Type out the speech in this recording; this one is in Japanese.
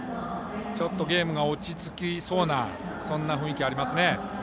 ゲームが落ち着きそうなそんな雰囲気がありますね。